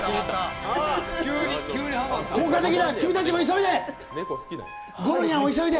効果的だ、君たちも急いで！